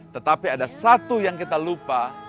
tetapi ada satu yang kita lupa